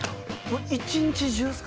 一日中っすか？